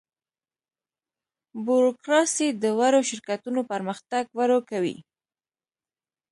بوروکراسي د وړو شرکتونو پرمختګ ورو کوي.